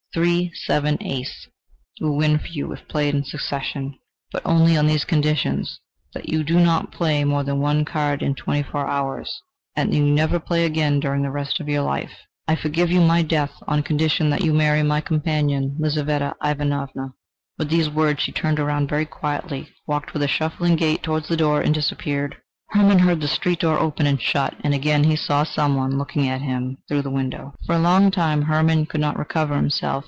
Three, seven, ace, will win for you if played in succession, but only on these conditions: that you do not play more than one card in twenty four hours, and that you never play again during the rest of your life. I forgive you my death, on condition that you marry my companion, Lizaveta Ivanovna." With these words she turned round very quietly, walked with a shuffling gait towards the door and disappeared. Hermann heard the street door open and shut, and again he saw some one look in at him through the window. For a long time Hermann could not recover himself.